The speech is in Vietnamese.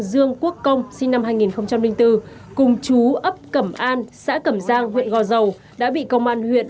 dương quốc công sinh năm hai nghìn bốn cùng chú ấp cẩm an xã cẩm giang huyện gò dầu đã bị công an huyện